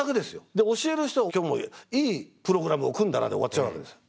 で教える人は今日もいいプログラムを組んだなで終わっちゃうわけですよ。